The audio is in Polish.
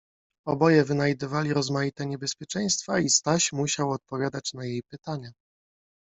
Oboje wynajdywali rozmaite niebezpieczeństwa i Staś musiał odpowiadać na jej pytania.